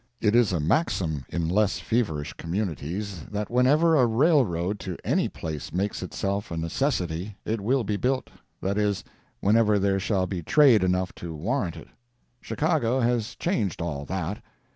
It is a maxim in less feverish communities that whenever a railroad to any place makes itself a necessity it will be built—that is, whenever there shall be trade enough to warrant it. Chicago has changed all that.